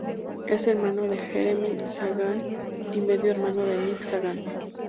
Es hermano de Jeremy Sagan y medio hermano de Nick Sagan.